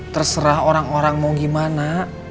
terserah orang orang mau gimana